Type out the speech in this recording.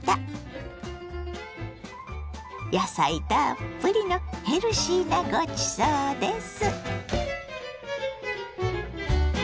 野菜たっぷりのヘルシーなごちそうです。